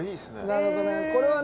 なるほどね。